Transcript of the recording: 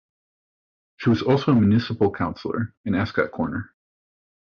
She was also a municipal councilor in Ascot Corner.